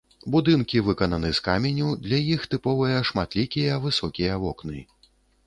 Будынкі выкананы з каменю, для іх тыповыя шматлікія высокія вокны.